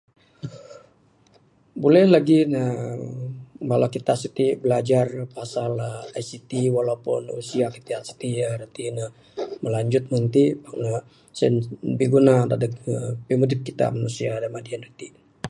Buleh lagih ne bala kita siti bilajar uhh pasal ICT walaupun usia kita ti rati ne meh lanjut meng ti pak ne. Sen biguna dadeg pimudip kita manusia da madi anu iti